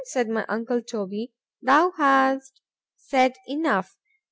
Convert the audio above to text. _ said my uncle Toby, thou hast said enough.